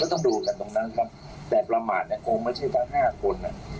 ต้องดูกันตรงนั้นครับแต่ประมาทเนี่ยคงไม่ใช่ว่าห้าคน